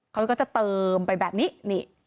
เขาก็จะเติมไปแบบนี้นี่